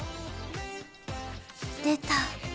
出た！